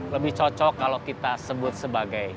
lebih cocok kalau kita sebut sebagai